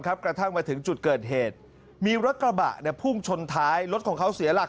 กระทั่งมาถึงจุดเกิดเหตุมีรถกระบะพุ่งชนท้ายรถของเขาเสียหลัก